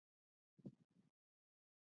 په لومړۍ برخه کې د ګاندي منتقدینو ته پام شوی.